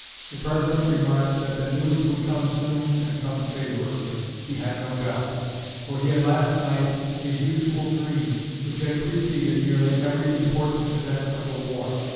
The President remarked that the news would come soon and come favorably, he had no doubt, for he had last night his usual dream which had preceded nearly every important event of the war.